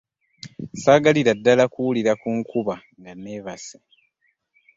Saagalira ddala kuwulira ku nkuba nga neebasse.